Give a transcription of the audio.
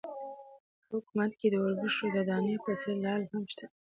په حکومت کې د اوربشو د دانې په څېر لعل هم شته.